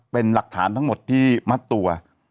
เป็นหลักฐานทั้งหมดที่มัดตัว